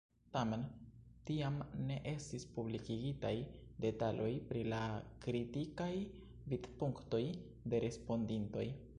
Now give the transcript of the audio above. Tamen tiam ne estis publikigitaj detaloj pri la kritikaj vidpunktoj de respondintoj.